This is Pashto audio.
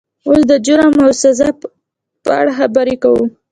اوس د جرم او جزا په اړه خبرې کوو.